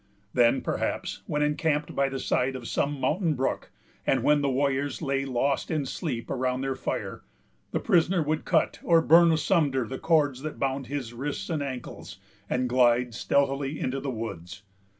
Then, perhaps, when encamped by the side of some mountain brook, and when the warriors lay lost in sleep around their fire, the prisoner would cut or burn asunder the cords that bound his wrists and ankles, and glide stealthily into the woods.